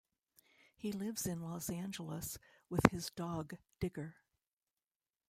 He lives in Los Angeles with his dog, Digger.